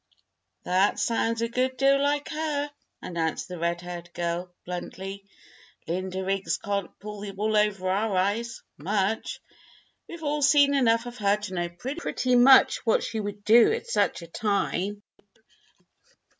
"That sounds a good deal like her," announced the red haired girl, bluntly. "Linda Riggs can't pull the wool over our eyes much! We've all seen enough of her to know pretty much what she would do at such a time."